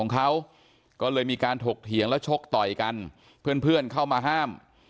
เขาก็เลยมีการถกเถียงแล้วชกต่อยกันเพื่อนเข้ามาห้าม